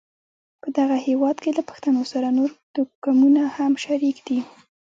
په دغه هېواد کې له پښتنو سره نور توکمونه هم شریک دي.